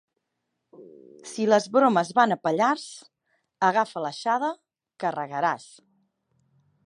Si les bromes van a Pallars, agafa l'aixada, que regaràs.